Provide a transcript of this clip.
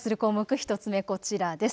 １つ目、こちらです。